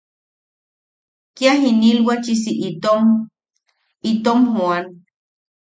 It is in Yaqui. Kia jinilwachisi itom... itom joan.